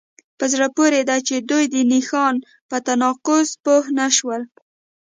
په زړه پورې ده چې دوی د نښان په تناقض پوه نشول